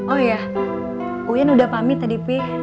oh iya uyan udah pamit tadi pi